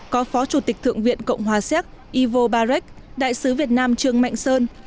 có phó chủ tịch thượng viện cộng hòa séc ivo barecht đại sứ việt nam trương mạnh sơn